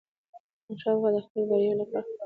احمدشاه بابا د خپلو بریاوو لپاره خداي ته شکر کاوه.